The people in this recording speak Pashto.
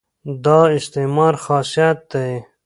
دا د استعمار خاصیت دی.